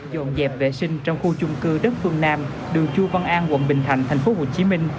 dọn dẹp vệ sinh trong khu chung cư đất phương nam đường chu văn an quận bình thạnh tp hcm